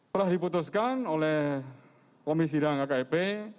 telah diputuskan oleh komisi dan kkip